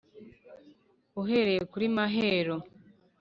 Uhereye kuri "Mahero"